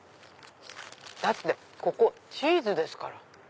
だってここチーズですから。